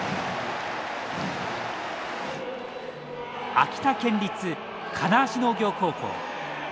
秋田県立金足農業高校。